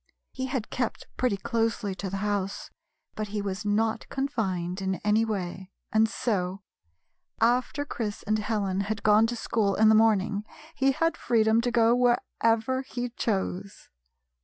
He had kept pretty closely to the house, but he was not confined in any way, and so, after Chris 70 A CONFIDENTIAL TALK and Helen had gone to school in the morning, he had freedom to go wherever he chose.